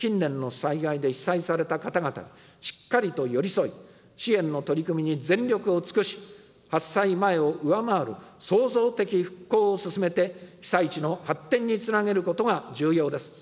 災害で被災された方々にしっかりと寄り添い、支援の取り組みに全力を尽くし、発災前を上回る創造的復興を進めて、被災地の発展につなげることが重要です。